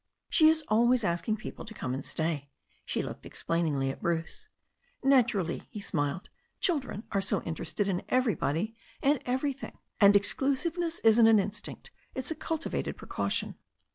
She is always asking people to come and stay," she looked explainingly at Bruce. "Naturally," he smiled. "Children are so interested in everybody and everything. And exclusiveness isn't an in stinct; it's a cultivated precaution."